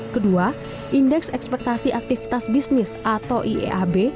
kedua indeks ekspektasi aktivitas bisnis atau ieab